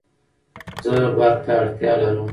زه برق ته اړتیا لرم